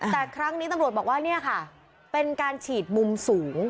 แต่ครั้งนี้ตำรวจบอกว่าเป็นการฉีดมุมสูง